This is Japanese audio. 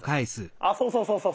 あそうそうそうそう。